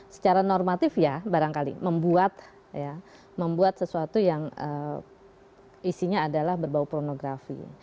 secara normatif ya barangkali membuat sesuatu yang isinya adalah berbau pornografi